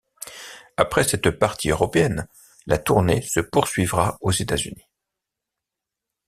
Après cette partie européenne, la tournée se poursuivra aux États Unis.